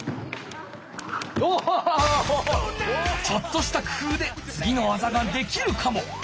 ちょっとしたくふうでつぎの技ができるかも。